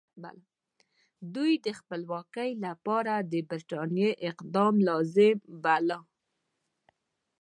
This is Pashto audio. دوی د خپلواکۍ لپاره د برټانیې اقدام لازم باله.